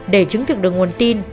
để chứng thực được nguồn tin